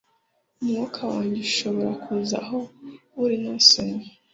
umwuka wanjye ushobora kuza aho uri nta soni